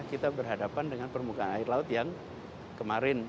kita berhadapan dengan permukaan air laut yang kemarin